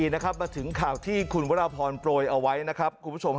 ๑๖๕๑นะครับมาถึงข่าวที่คุณวรพรโปรย์เอาไว้นะครับ